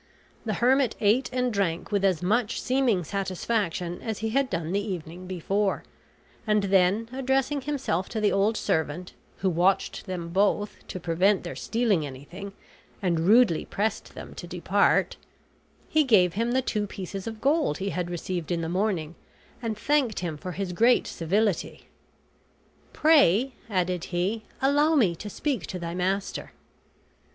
The hermit ate and drank with as much seeming satisfaction as he had done the evening before; and then addressing himself to the old servant, who watched them both, to prevent their stealing anything, and rudely pressed them to depart, he gave him the two pieces of gold he had received in the morning, and thanked him for his great civility. "Pray," added he, "allow me to speak to thy master."